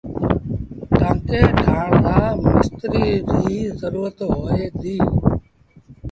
ٽآنڪي ٺآهڻ لآ مستريٚ ريٚ زرورت هوئي ديٚ